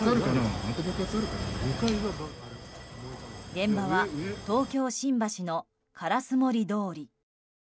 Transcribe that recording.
現場は東京・新橋の烏森通り。